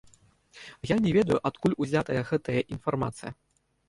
Я не ведаю, адкуль узятая гэтая інфармацыя.